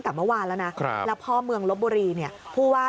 ตั้งแต่เมื่อวานแล้วนะแล้วพอเมืองลบบุรีนี่พูดว่า